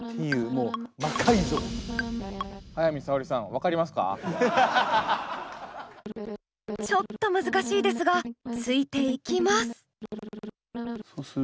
もうちょっと難しいですがついていきます。